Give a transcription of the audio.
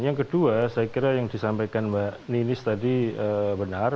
yang kedua saya kira yang disampaikan mbak ninis tadi benar